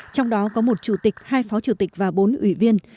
trong đó có một chủ tịch hai phó chủ tịch và bốn ủy viên